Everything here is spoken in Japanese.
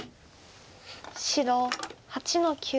白８の九。